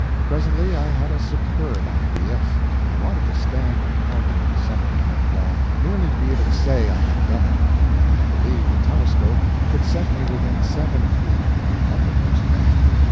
Presently I had a superb idea. I wanted to stand with a party on the summit of Mont Blanc, merely to be able to say I had done it, and I believed the telescope could set me within seven feet of the uppermost man.